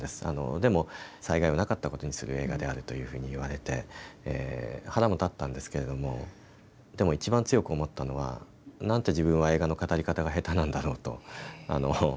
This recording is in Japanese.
でも、災害をなかったことにする映画であるというふうに言われて腹も立ったんですけれどもでも、いちばん強く思ったのはなんて自分は映画の語り方が下手なんだろうと。